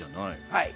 はい。